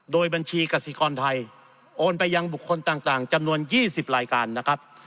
โดยบัญชีกษิกรไทยโอนไปยังบุคคลต่างจำนวน๒๐รายการนะครับ